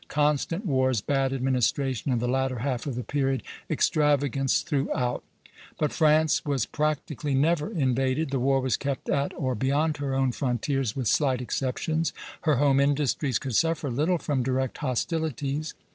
constant wars, bad administration in the latter half of the period, extravagance throughout; but France was practically never invaded, the war was kept at or beyond her own frontiers with slight exceptions, her home industries could suffer little from direct hostilities.